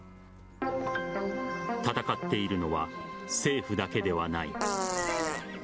戦っているのは政府だけではない。